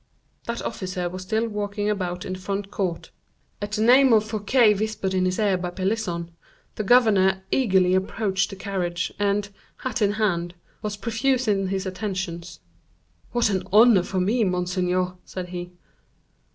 That officer was still walking about in the front court. At the name of Fouquet, whispered in his ear by Pelisson, the governor eagerly approached the carriage, and, hat in hand, was profuse in his attentions. "What an honor for me, monseigneur," said he.